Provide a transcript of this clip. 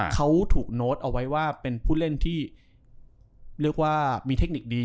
เขาถูกโน้ตเอาไว้ว่าเป็นผู้เล่นที่เรียกว่ามีเทคนิคดี